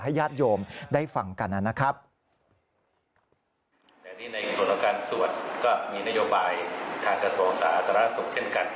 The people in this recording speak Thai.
ให้ญาติโยมได้ฟังกันนั้นนะครับ